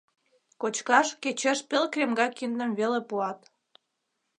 Кочкаш кечеш пел кремга киндым веле пуат.